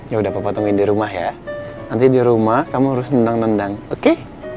ya udah kamu potongin di rumah ya nanti di rumah kamu harus nendang nendang oke